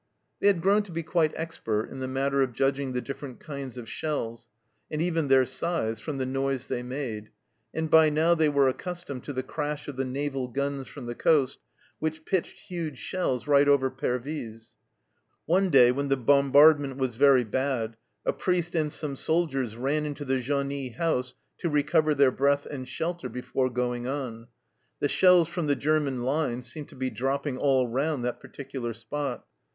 They had grown to be quite expert in the matter of judging the different kinds of shells, and even their size, from the noise they made, and by now they were accustomed to the crash of the naval guns from the coast, which pitched huge shells right over Pervyse. One day, when the bombard ment was very bad, a priest and some soldiers ran into the genie house to recover their breath and shelter before going on. The shells from the German lines seemed to be dropping all round that particular spot.